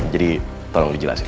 jadi tolong dijelasin